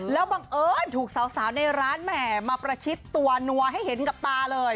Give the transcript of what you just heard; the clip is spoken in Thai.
แล้วบังเอิญถูกสาวในร้านแหมมาประชิดตัวนัวให้เห็นกับตาเลย